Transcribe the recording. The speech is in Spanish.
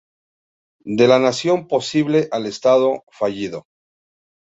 De la nación posible al Estado fallido.